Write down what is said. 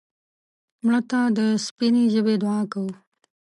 مړه ته د سپینې ژبې دعا کوو